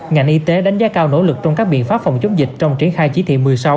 ngành y tế đánh giá cao nỗ lực trong các biện pháp phòng chống dịch trong triển khai chỉ thị một mươi sáu